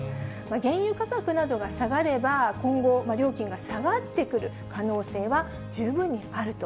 原油価格などが下がれば、今後、料金が下がってくる可能性は十分にあると。